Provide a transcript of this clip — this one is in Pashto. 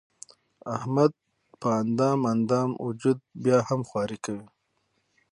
احمد په اندام اندام وجود بیا هم خواري کوي.